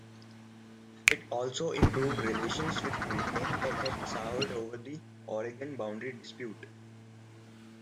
It also improved relations with Britain that had soured over the Oregon boundary dispute.